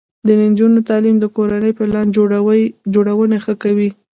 د نجونو تعلیم د کورنۍ پلان جوړونې ښه کوي.